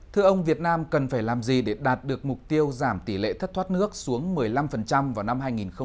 thưa ông việt nam cần phải làm gì để đạt được mục tiêu giảm tỷ lệ thất thoát nước xuống một mươi năm vào năm hai nghìn hai mươi